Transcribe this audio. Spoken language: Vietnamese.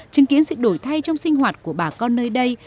chứng kiến sự đổi thay trong sinh hoạt của bà con nơi đây